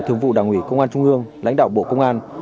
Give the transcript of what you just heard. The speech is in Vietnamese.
thường vụ đảng ủy công an trung ương lãnh đạo bộ công an